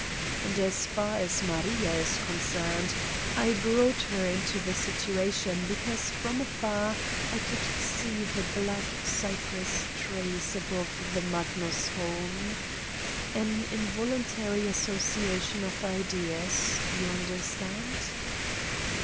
And as far as Maria is con cerned, I brought her into the situation because from afar I could see the black cypress trees 102 Satan's Diary above the Magnus home. An involuntary as sociation of ideas ... you understand.